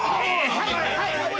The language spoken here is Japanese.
はいはい！